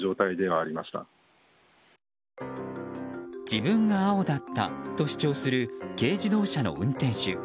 自分が青だったと主張する軽自動車の運転手。